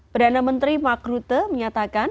perdana menteri mark rutte menyatakan